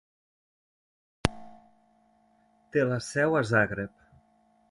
Té la seu a Zagreb.